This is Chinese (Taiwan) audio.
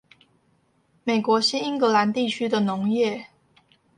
美國新英格蘭地區的農業